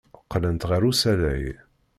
Qqlent ɣer usalay.